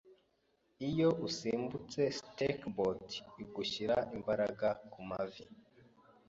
Iyo usimbutse skateboard, igushyira imbaraga kumavi.